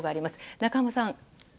中濱さん。